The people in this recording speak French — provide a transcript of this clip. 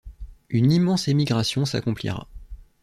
Une immense émigration s’accomplira.